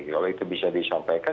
kalau itu bisa disampaikan